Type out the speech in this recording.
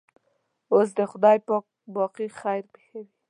اوس دې خدای پاک باقي خیر پېښوي.